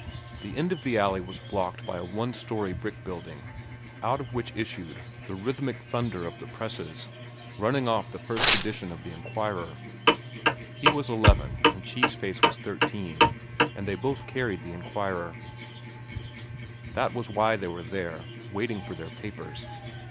The end of the alley was blocked by a one story brick building, out of which issued the rhythmic thunder of the presses, running off the first edition of the Enquirer. He was eleven, and Cheese Face was thirteen, and they both carried the Enquirer. That was why they were there, waiting for their papers.